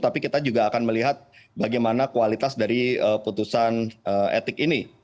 tapi kita juga akan melihat bagaimana kualitas dari putusan etik ini